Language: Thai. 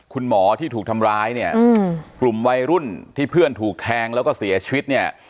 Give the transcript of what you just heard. คุณหมอที่ถูกทำร้ายเนี่ยกลุ่มวัยรุ่นที่เพื่อนถูกแทงแล้วก็เสียชีวิตเนี่ย